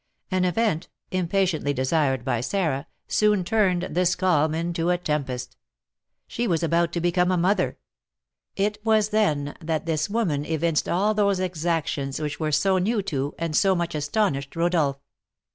An event, impatiently desired by Sarah, soon turned this calm into a tempest, she was about to become a mother. It was then that this woman evinced all those exactions which were so new to, and so much astonished, Rodolph.